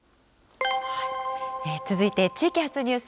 続いて地域発ニュース。